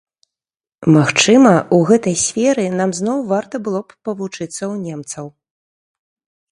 Магчыма, у гэтай сферы нам зноў варта было б павучыцца ў немцаў.